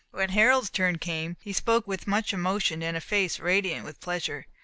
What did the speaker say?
When Harold's turn came, he spoke with much emotion, and a face radiant with pleasure.